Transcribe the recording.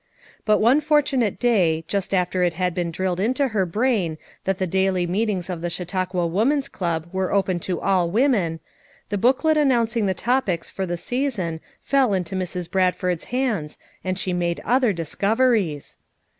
But one fortunate day, just after it 298 FOUR MOTHERS AT CHAUTAUQUA had been drilled into her brain that the dailv meetings of tlie Chautauqua Woman's Club were open to all women, the booklet announcing the topics for the season fell into Mrs. Brad ford's hands and she made other discoveries.